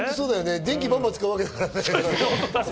電気、バンバン使うわけだからね。